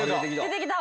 出てきた。